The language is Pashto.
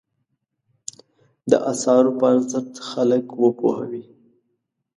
د اثارو په ارزښت خلک وپوهوي.